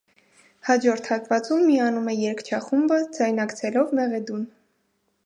Հաջորդ հատվածում միանում է երգչախումբը՝ ձայնակցելով մեղեդուն։